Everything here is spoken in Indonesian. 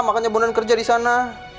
makanya bondan kerja disana